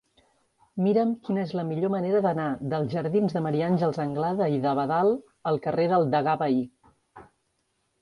Mira'm quina és la millor manera d'anar dels jardins de Maria Àngels Anglada i d'Abadal al carrer del Degà Bahí.